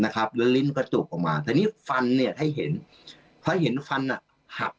แล้วลิ้นก็จุกออกมาแต่นี่ฟันให้เห็นให้เห็นฟันหัก